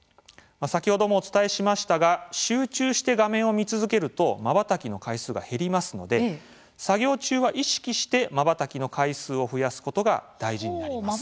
先ほどもお伝えしましたが集中して画面を見続けるとまばたきの回数が減りますので作業中は意識してまばたきの回数を増やすことが大事になります。